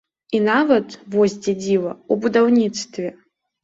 І нават, вось дзе дзіва, у будаўніцтве.